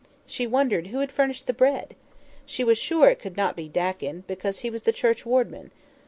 She wondered who had furnished the bread? She was sure it could not be Dakin, because he was the churchwarden.